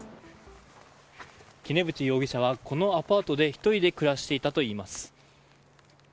杵渕容疑者はこのアパートで１人で暮らしていたということです。